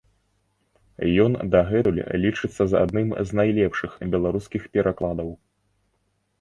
Ён дагэтуль лічыцца адным з найлепшых беларускіх перакладаў.